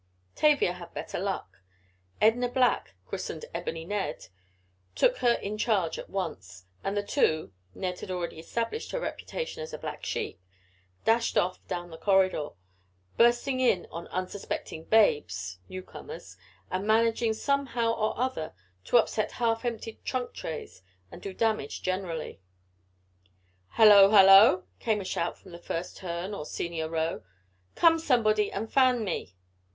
Tavia had better luck, Edna Black (christened Ebony Ned) took her in charge at once, and the two (Ned had already established her reputation as a black sheep), dashed off down the corridor, bursting in on unsuspecting "Babes" (newcomers), and managing, somehow or other, to upset half emptied trunk trays, and do damage generally. "Hello! Hello!" came a shout from the first turn or senior row. "Come, somebody, and fan me!"